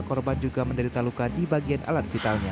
korban juga menderita luka di bagian alat vitalnya